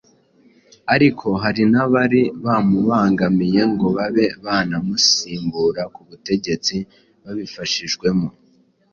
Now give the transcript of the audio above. Ariko hari n'abari bamubangamiye ngo babe banamusimbura ku butegetsi babifashijwemo